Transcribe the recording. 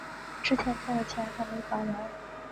之前欠的钱还没还完